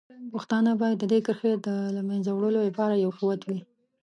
پښتانه باید د دې کرښې د له منځه وړلو لپاره یو قوت وي.